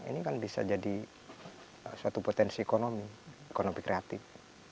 ini kan bisa jadi suatu potensi ekonomi ekonomi kreatif